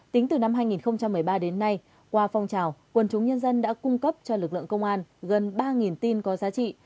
tính từ năm hai nghìn một mươi ba đến nay qua phong trào quân chúng nhân dân đã cung cấp cho lực lượng công an gần ba tin có giá trị